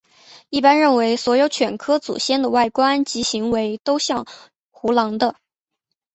一般认为所有犬科祖先的外观及行为都像胡狼的。